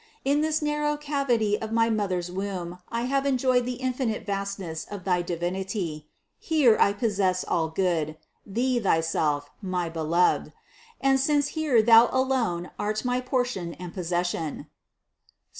In this narrow cavity of my mother's womb I have enjoyed the infinite vastness of thy Divinity: here I possessed all Good, Thee thyself, my Beloved; and since here Thou alone art my portion and possession (Ps.